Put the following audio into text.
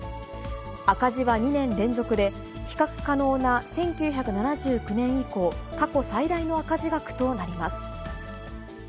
赤字は２年連続で、比較可能な１９７９年以降、過去最大の赤字額となります。